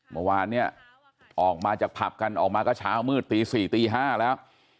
เมื่อวานเนี่ยออกมาจากผับกันออกมาก็เช้ามืดตี๔ตี๕แล้ว